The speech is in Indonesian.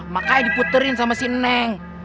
makanya diputerin sama si neng